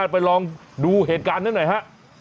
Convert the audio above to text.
ไปลองดูเหตุการณ์นั้นหน่อยฮะ